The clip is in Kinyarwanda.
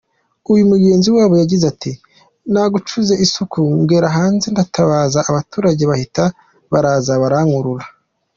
Uyu mugenzi wabo yagize ati” Nacukuje isuka ngera hanze ndatabaza abaturage bahitaga baraza barankurura.